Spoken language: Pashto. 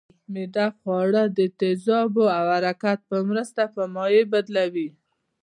معده خواړه د تیزابو او حرکت په مرسته په مایع بدلوي